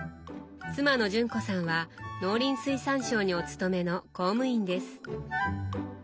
妻の純子さんは農林水産省にお勤めの公務員です。